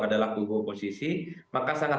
adalah kubu oposisi maka sangat